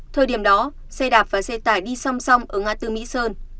thời điểm đó xe đạp và xe tải đi song song ở ngã tư mỹ sơn